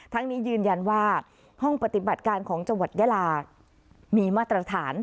ทั้งนี้ยืนยันว่าห้องปฏิบัติการของจังหวัดยาลามีมาตรฐาน